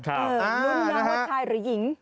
ลุ้นนะว่าชายหรือหญิง